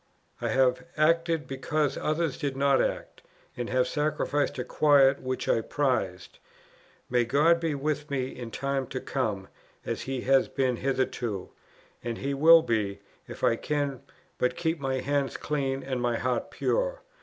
I have acted because others did not act, and have sacrificed a quiet which I prized. May God be with me in time to come, as He has been hitherto! and He will be, if I can but keep my hand clean and my heart pure.